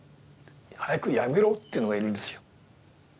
早くやめろ！」って言うのがいるんですよ。